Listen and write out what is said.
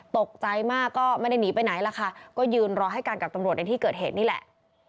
ตกใจมากก็ไม่ได้หนีไปไหนล่ะค่ะก็ยืนรอให้กันกับตำรวจในที่เกิดเหตุนี่แหละ